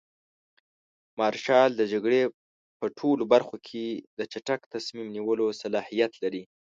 مارشال د جګړې په ټولو برخو کې د چټک تصمیم نیولو صلاحیت لري.